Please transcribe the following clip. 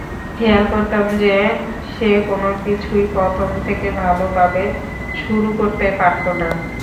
খেয়াল করতাম যে সে কোনকিছুই প্রথম থেকে ভালভাবে শুরু করতে পারত না।